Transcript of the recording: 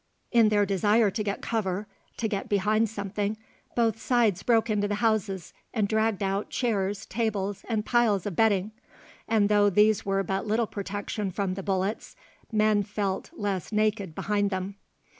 In their desire to get cover, to get behind something, both sides broke into the houses and dragged out chairs, tables, and piles of bedding; and though these were but little protection from the bullets, men felt less naked behind them.